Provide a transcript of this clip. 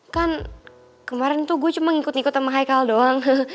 kan kemarin tuh gue cuma ngikut ngikut sama haikal doang